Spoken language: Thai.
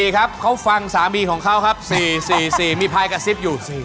ครับเขาฟังความนะกับศัพท์เขาครับ